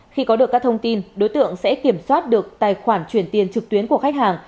khi có được các thông tin đối tượng sẽ kiểm soát được tài khoản chuyển tiền trực tuyến của khách hàng